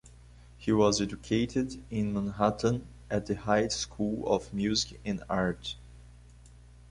He was educated in Manhattan at the High School of Music and Art.